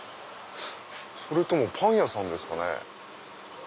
それともパン屋さんですかね。